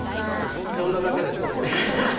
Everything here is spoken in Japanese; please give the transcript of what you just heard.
読んだだけです僕は。